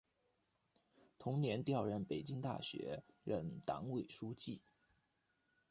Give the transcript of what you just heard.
同年调任北京大学任党委书记。